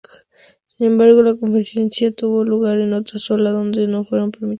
Sin embargo, la conferencia tuvo lugar en otra sala donde no fueron permitidos.